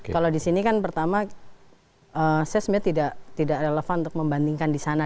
kalau di sini kan pertama saya sebenarnya tidak relevan untuk membandingkan di sana